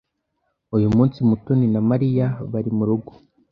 Uyu munsi Mutoni na Mariya bari murugo.